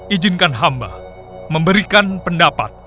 ijinkan hamba memberikan pendapat